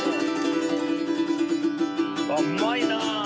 あっうまいな！